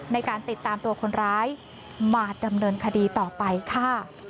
ในการติดตามตัวคนร้ายมาดำเนินคดีต่อไปค่ะ